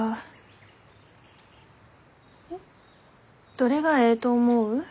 どれがえいと思う？